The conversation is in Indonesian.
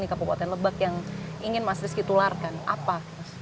di kabupaten lebak yang ingin mas rizky tularkan apa